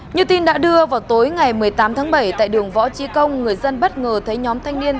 như tin đã đưa vào tối ngày một mươi tám tháng bảy tại đường võ trí công người dân bất ngờ thấy nhóm thanh niên